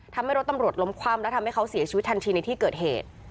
ทำให้รถตำรวจล้มคว่ำและทำให้เขาเสียชีวิตทันทีในที่เกิดเหตุ